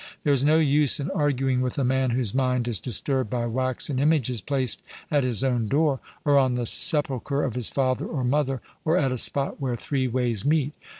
There is no use in arguing with a man whose mind is disturbed by waxen images placed at his own door, or on the sepulchre of his father or mother, or at a spot where three ways meet.